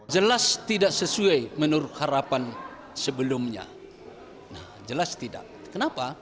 jelas tidak sesuai menurut harapan sebelumnya nah jelas tidak kenapa